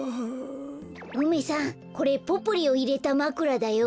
梅さんこれポプリをいれたまくらだよ。